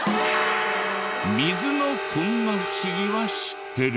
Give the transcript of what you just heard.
水のこんな不思議は知ってる？